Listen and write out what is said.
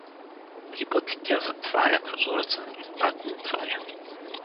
Три пъти тя затваря прозореца и пак го отваря.